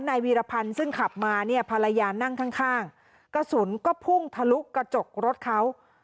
วีรพันธ์ซึ่งขับมาเนี่ยภรรยานั่งข้างข้างกระสุนก็พุ่งทะลุกระจกรถเขา